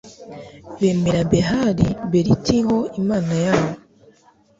bemera behali beriti ho imana yabo